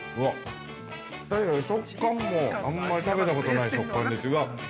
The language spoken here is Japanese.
食感もあんまり食べたことない食感です。